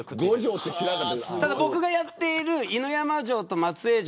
ただ僕がやっている犬山城と松江城